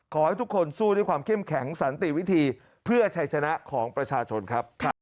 ขอให้ทุกคนสู้ด้วยความเข้มแข็งสันติวิธีเพื่อชัยชนะของประชาชนครับ